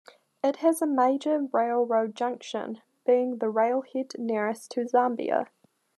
It has a major railroad junction, being the railhead nearest to Zambia.